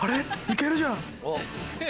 行けるじゃん。